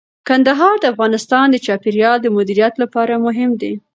کندهار د افغانستان د چاپیریال د مدیریت لپاره مهم دي.